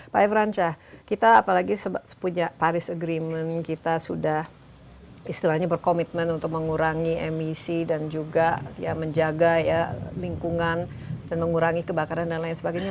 pak efranca kita apalagi sepunya paris agreement kita sudah istilahnya berkomitmen untuk mengurangi emisi dan juga menjaga ya lingkungan dan mengurangi kebakaran dan lain sebagainya